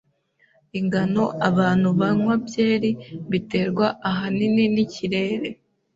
Ingano abantu banywa byeri biterwa ahanini nikirere.